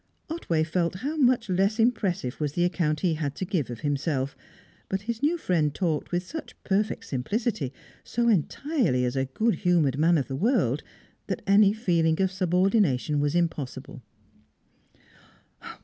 Otway felt how much less impressive was the account he had to give of himself, but his new friend talked with such perfect simplicity, so entirely as a good humoured man of the world, that any feeling of subordination was impossible.